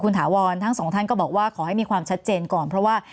ถาวรทั้งสองท่านก็บอกว่าขอให้มีความชัดเจนก่อนเพราะว่า